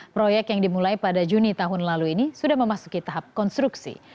proyek yang dimulai pada juni tahun lalu ini sudah memasuki tahap konstruksi